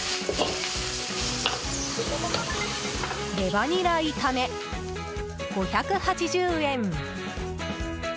レバニラ炒め、５８０円。